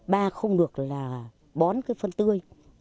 ba không được là bón cái phân tươi